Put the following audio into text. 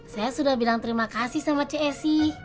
saya sudah bilang terima kasih sama c s i